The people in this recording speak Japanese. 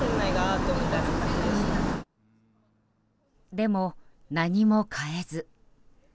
でも、何も買えず。